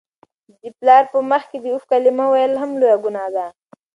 د پلار په مخ کي د "اف" کلمه ویل هم لویه ګناه ده.